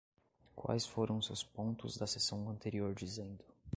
Quais foram os seus pontos da sessão anterior dizendo?